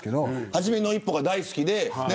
はじめの一歩が大好きでね。